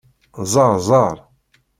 Ẓeṛ ẓeṛ!